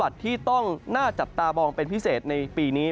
ที่ต้องน่าจับตามองเป็นพิเศษในปีนี้